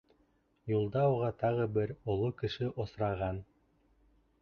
Юлда уға тағы бер оло кеше осраған.